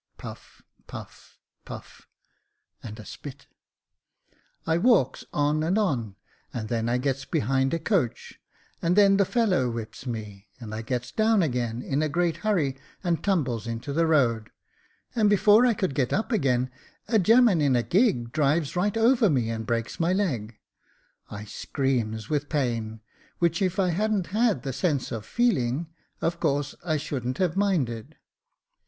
[Puff, puff, puff, and a spit.] I walks on, and on, and then I gets behind a coach, and then the fellow whips me, and I gets down again in a great hurry, and tumbles into the road, and before I could get up again, a gemman in a gig drives right over me and breaks my leg. I screams with the pain, which if I hadn't had the sense oi feeling, of course I shouldn't have minded.